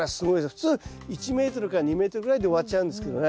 普通１ｍから２ｍぐらいで終わっちゃうんですけどね